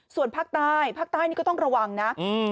ส่วนภาคใต้ภาคใต้นี่ก็ต้องระวังนะ